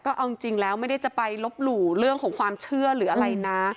เอาจริงแล้วไม่ได้จะไปลบหลู่เรื่องของความเชื่อหรืออะไรนะ